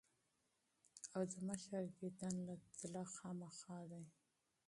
او د مشر ديدن له تلۀ خامخه دي ـ